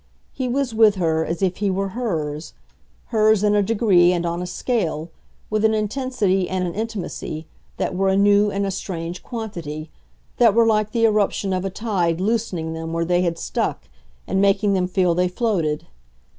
He was with her as if he were hers, hers in a degree and on a scale, with an intensity and an intimacy, that were a new and a strange quantity, that were like the irruption of a tide loosening them where they had stuck and making them feel they floated.